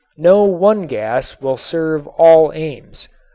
No one gas will serve all aims.